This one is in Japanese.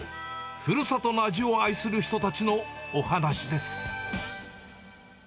ふるさとの味を愛する人たちのお話です。